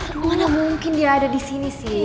bagaimana mungkin dia ada di sini sih